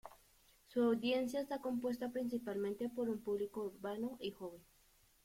Su audiencia está compuesta principalmente por un público urbano y joven.